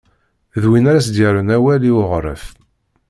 D win ara s-d-yerren awal i uɣref.